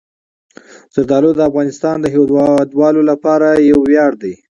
زردالو د افغانستان د هیوادوالو لپاره یو ویاړ دی.